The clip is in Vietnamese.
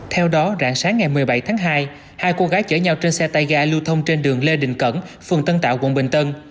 theo đó rạng sáng ngày một mươi bảy tháng hai hai cô gái chở nhau trên xe tay ga lưu thông trên đường lê đình cẩn phường tân tạo quận bình tân